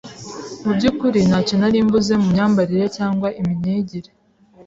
mu byukuri ntacyo nari mbuze mu myambarire cyangwa imyigire